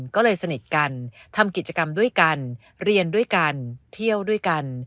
ก็เลยสนิทกันทำกิจกรรมด้วยกันเรียนด้วยกันเที่ยวด้วยกัน